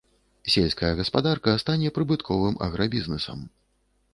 Сельская гаспадарка стане прыбытковым аграбізнэсам.